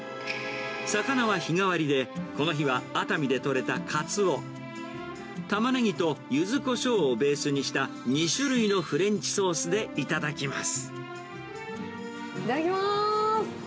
魚は日替わりで、この日は熱海で取れたカツオ、タマネギとゆずこしょうをベースにした２種類のフレンチソースでいただきます。